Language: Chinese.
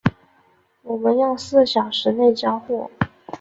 我们要四小时内交货